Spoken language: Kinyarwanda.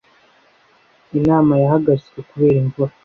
Inama yahagaritswe kubera imvura.